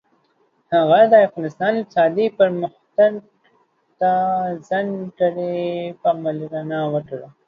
هغه د افغانستان اقتصادي پرمختګ ته ځانګړې پاملرنه وکړه.